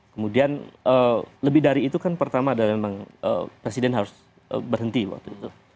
kemudian lebih dari itu kan pertama adalah memang presiden harus berhenti waktu itu